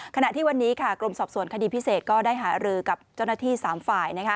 ขณะที่วันนี้กรมสอบสวนคดีพิเศษก็ได้หารือกับเจ้าหน้าที่๓ฝ่าย